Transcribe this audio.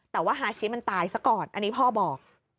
แต่ว่าฮาชิมันตายซะก่อนอันนี้พ่อบอก